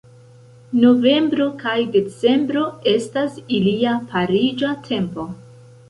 Novembro kaj decembro estas ilia pariĝa tempo.